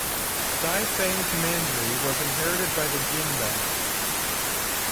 Daifang Commandery was inherited by the Jin dynasty.